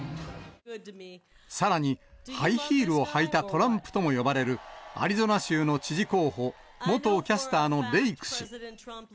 さらに、ハイヒールを履いたトランプとも呼ばれる、アリゾナ州の知事候補、元キャスターのレイク氏。